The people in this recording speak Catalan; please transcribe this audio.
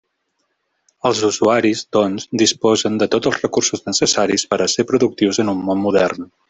Els usuaris, doncs, disposen de tots els recursos necessaris per a ser productius en un món modern.